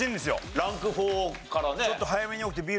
ランク４からね。